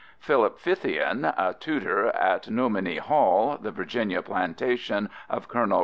Philip Fithian, a tutor at Nomini Hall, the Virginia plantation of Col.